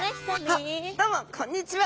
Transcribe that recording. どうもこんにちは！